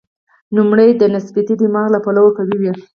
لومړی د نسبتي دماغ له پلوه قوي وي.